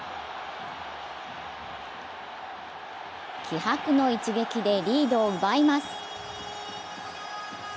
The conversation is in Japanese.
気迫の一撃でリードを奪います。